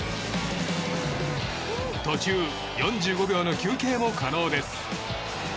途中４５秒の休憩も可能です。